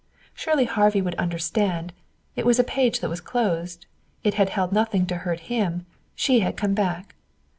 Surely Harvey would understand. It was a page that was closed. It had held nothing to hurt him. She had come back.